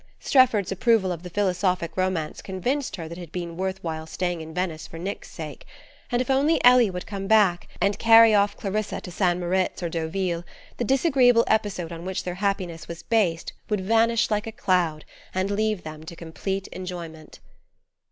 Strefford's approval of the philosophic romance convinced her that it had been worth while staying in Venice for Nick's sake; and if only Ellie would come back, and carry off Clarissa to St. Moritz or Deauville, the disagreeable episode on which their happiness was based would vanish like a cloud, and leave them to complete enjoyment.